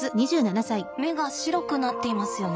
目が白くなっていますよね。